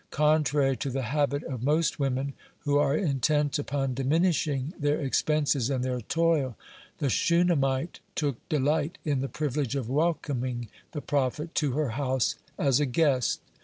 (11) Contrary to the habit of most women, who are intent upon diminishing their expenses and their toil, the Shunammite took delight in the privilege of welcoming the prophet to her house as a guest.